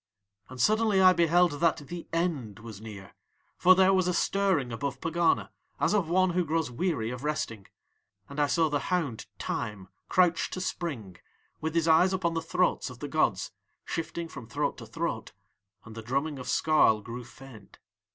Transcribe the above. "And suddenly I beheld that THE END was near, for there was a stirring above Pegana as of One who grows weary of resting, and I saw the hound Time crouch to spring, with his eyes upon the throats of the gods, shifting from throat to throat, and the drumming of Skarl grew faint.